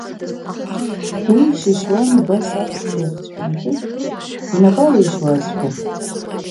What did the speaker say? Уи ишьышьуан убас аԥшқа ихцә ҟәымшәышә инапы алишьуазшәа.